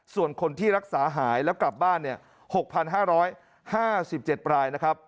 ส่วนคนที่รักษาหายแล้วกลับบ้าน๖๕๕๗รายนะครับ